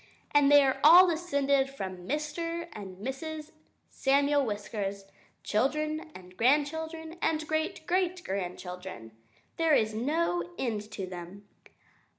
And they are all descended from Mr. and Mrs. Samuel Whiskers children and grandchildren and great great grandchildren. There is no end to them!